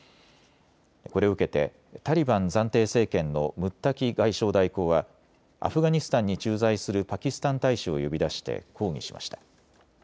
これを受けてタリバン暫定政権のムッタキ外相代行はアフガニスタンに駐在するパキスタン大使を呼び出して抗議しました。